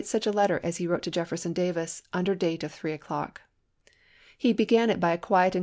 such a letter as he wrote to Jefferson Davis under chap. ix. date of three o'clock. He began it by a quiet and api.